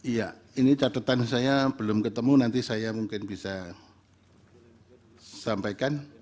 iya ini catatan saya belum ketemu nanti saya mungkin bisa sampaikan